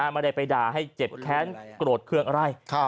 ไม่ได้ไปด่าให้เจ็บแค้นโกรธเครื่องอะไร